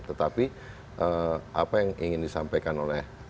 tetapi apa yang ingin disampaikan oleh